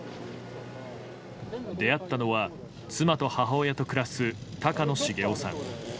出会ったのは妻と母親と暮らす高野重夫さん。